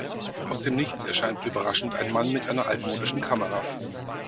Aus dem Nichts erscheint überraschend ein Mann mit einer altmodischen Kamera.